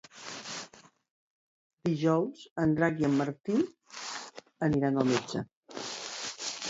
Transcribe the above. Dijous en Drac i en Martí aniran al metge.